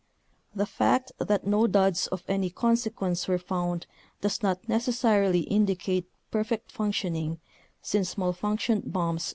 The fact that no duds of any consequence were found does not necessarily indicate perfect functioning since malfunctioned bombs will detonate in a fire.